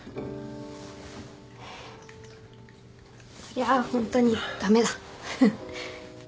いやあホントに駄目だ。